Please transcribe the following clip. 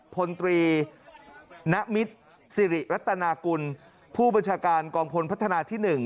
พลตรีนมิตรสิริรัตนากุลผู้บัญชาการกองพลพัฒนาที่๑